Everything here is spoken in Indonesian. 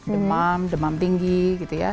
demam demam tinggi gitu ya